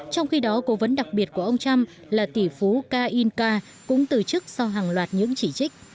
trong khi đó cố vấn đặc biệt của ông trump là tỷ phú k i n k cũng từ chức sau hàng loạt những chỉ trích